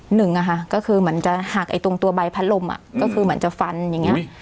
หนึ่งอะค่ะก็คือเหมือนจะหักไอ้ตรงตัวใบพัดลมก็คือเหมือนจะฟันอย่างนี้